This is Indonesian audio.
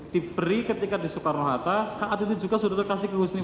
diberi ketika di soekarno hatta saat itu juga saudara kasih ke husnis